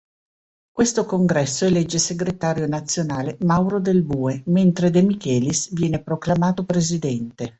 Questo congresso elegge segretario nazionale Mauro Del Bue, mentre De Michelis viene proclamato presidente.